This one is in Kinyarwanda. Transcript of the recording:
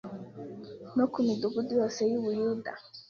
no ku midugudu yose y’u Buyuda